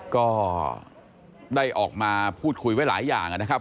ก็ได้ออกมาพูดคุยไว้หลายอย่างนะครับ